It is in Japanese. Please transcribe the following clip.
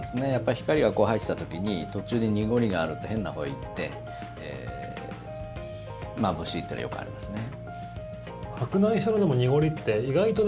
光が入ってきた時に途中で濁りがあると変なほうへ行ってまぶしいというのがよくありますね。